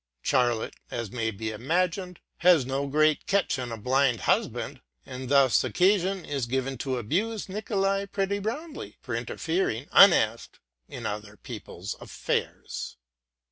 Charlotte, as may be imagined, has no great catch in a blind husband ; and thus occasion is given to abuse Nicolai pretty roundly for interfering unasked in other people's affairs.